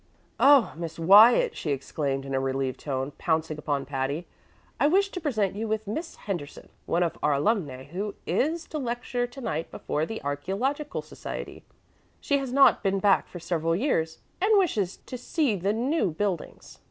"Oh, Miss Wyatt!" she exclaimed in a relieved tone, pouncing upon Patty. "I wish to present you to Miss Henderson, one of our alumnæ who is to lecture to night before the Archæological Society. She has not been back for several years, and wishes to see the new buildings.